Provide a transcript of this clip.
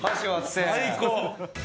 最高！